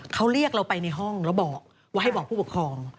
เขาเรียกเราไปในห้องแล้วบอกว่าให้บอกผู้ปกครอง